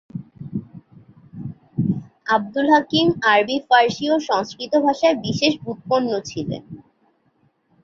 আবদুল হাকিম আরবি, ফারসি ও সংস্কৃত ভাষায় বিশেষ ব্যুৎপন্ন ছিলেন।